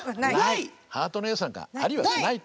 ハートのエースなんかありはしないと。